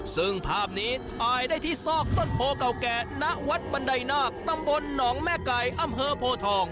ซึ่งภาพนี้ถ่ายได้ที่ซอกต้นโพเก่าแก่ณวัดบันไดนาคตำบลหนองแม่ไก่อำเภอโพทอง